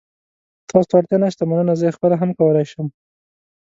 تاسو ته اړتیا نشته، مننه. زه یې خپله هم کولای شم.